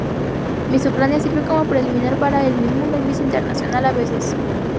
Miss Ucrania sirve como preliminar para el Miss Mundo y Miss Internacional a veces.